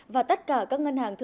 và tất cả các ngân hàng nhà nước